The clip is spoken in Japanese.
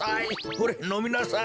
ほれのみなさい！